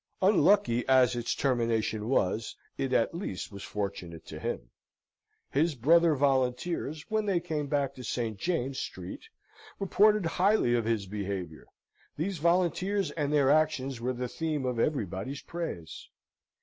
Unlucky as its termination was, it at least was fortunate to him. His brother volunteers, when they came back to St. James's Street, reported highly of his behaviour. These volunteers and their actions were the theme of everybody's praise.